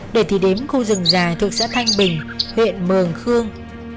để thì đếm khu rừng dài thuộc xã thanh bình huyện mường khương